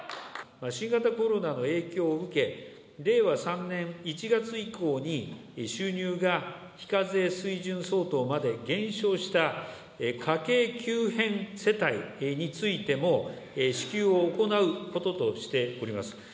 新型コロナの影響を受け、令和３年１月以降に収入が非課税水準相当まで減少した家計急変世帯についても、支給を行うこととしております。